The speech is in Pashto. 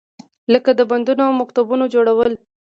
لکه د بندونو او مکتبونو جوړول.